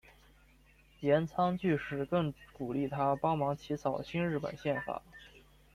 岩仓具视更鼓励他帮忙起草新日本宪法。